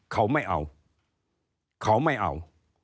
เขาไม่เอา